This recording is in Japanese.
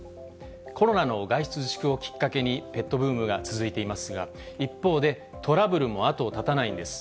コロナの外出自粛をきっかけに、ペットブームが続いていますが、一方でトラブルも後を絶たないんです。